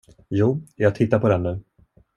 Jo, jag tittar på den nu.